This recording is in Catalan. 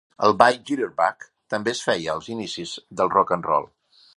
El ball Jitterbug també es feia als inicis del "rock-and-roll".